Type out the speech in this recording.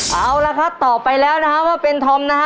เอาล่ะค่ะตอบไปแล้วนะครับว่าเป็นธอมนะฮะ